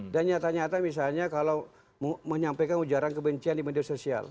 dan nyata nyata misalnya kalau menyampaikan ujaran kebencian di media sosial